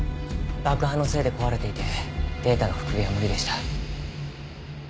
爆破のせいで壊れていてデータの復元は無理でした。